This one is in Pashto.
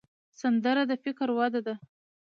سندره د فکر وده ده